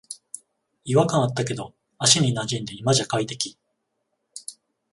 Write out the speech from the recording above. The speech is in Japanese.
違和感あったけど足になじんで今じゃ快適